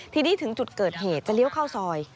ทีนี้ถึงจุดเกิดเหตุจะเลี้ยวเข้าซอย